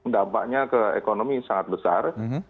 dampaknya ke ekonomi sangat besar